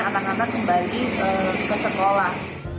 anak anak kembali ke sekolah